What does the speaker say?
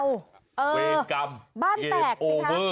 เวรกรรมเวรโอเบอร์